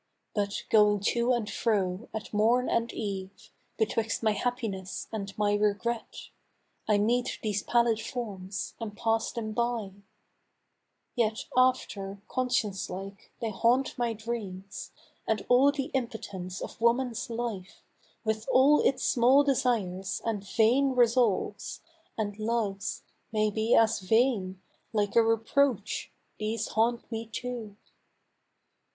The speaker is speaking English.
But, going to and fro, at morn and eve Betwixt my Happiness and my Regret, I meet these pallid forms and pass them by lOO London, Yet after, conscience like, they haunt my dreams. And all the impotence of woman's life, With all its small desires, and vain resolves. And loves (may be as vain !) like a reproach These haunt me too